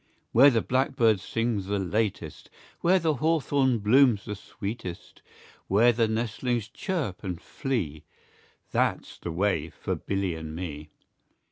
Where the blackbird sings the latest, Where the hawthorn blooms the sweetest, Where the nestlings chirp and flee, That's the way for Billy and me.